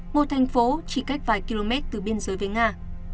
một thành phố chỉ cách vài km từ biên giới với nga